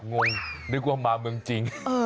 งงนึกว่ามาเมืองจริง